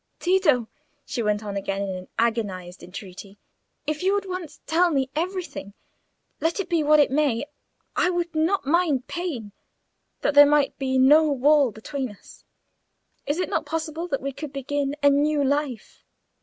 Tito," she went on, in a tone of agonised entreaty, "if you would once tell me everything, let it be what it may—I would not mind pain—that there might be no wall between us! Is it not possible that we could begin a new life?"